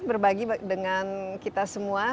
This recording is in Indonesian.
berbagi dengan kita semua